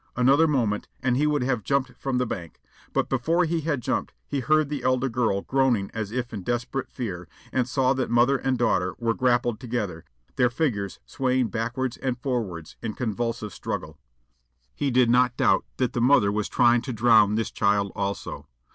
Another moment, and he would have jumped from the bank; but before he had jumped he heard the elder girl groaning as if in desperate fear, and saw that mother and daughter were grappled together, their figures swaying backwards and forwards in convulsive struggle. He did not doubt that the mother was trying to drown this child also.